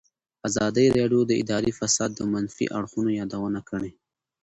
ازادي راډیو د اداري فساد د منفي اړخونو یادونه کړې.